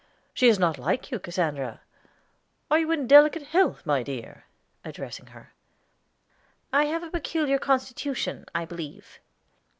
"She is not like you, Cassandra. Are you in delicate health, my dear!" addressing her. "I have a peculiar constitution, I believe."